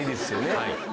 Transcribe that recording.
はい。